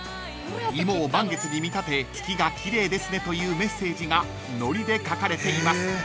［芋を満月に見立て月が綺麗ですねというメッセージがのりで書かれています］